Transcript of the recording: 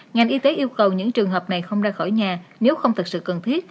ngành y tế yêu cầu những trường hợp này không ra khỏi nhà nếu không thật sự cần thiết